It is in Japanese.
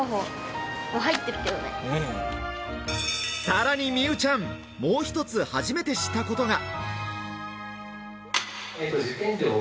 さらに美羽ちゃん、もう一つ初めて知ったことが。